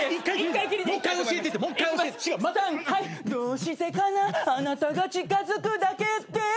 「どうしてかなあなたが近づくだけで」